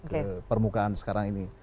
ke permukaan sekarang ini